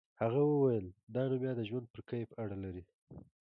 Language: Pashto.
هغه وویل دا نو بیا د ژوند پر کیفیت اړه لري.